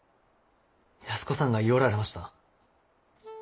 安子さんが言ようられました。